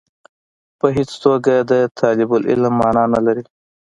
په هېڅ توګه د طالب العلم معنا نه لري.